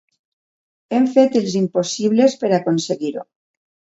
Hem fet els impossibles per aconseguir-ho.